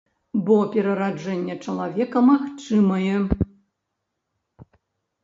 Бо перараджэнне чалавека магчымае.